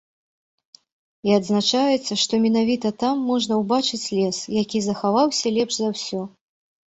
І адзначаецца, што менавіта там можна ўбачыць лес, які захаваўся лепш за ўсё.